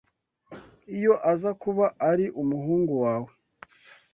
iyo aza kuba ari umuhungu wawe